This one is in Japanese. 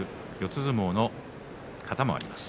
相撲の型もあります。